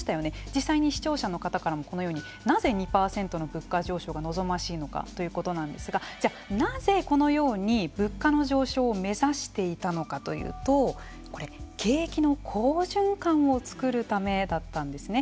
実際に視聴者の方からもこのようになぜ２％の物価上昇が望ましいのかということなんですがじゃあ、なぜこのように物価の上昇を目指していたのかというとこれ、景気の好循環を作るためだったんですね。